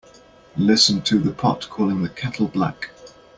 Listen to the pot calling the kettle black.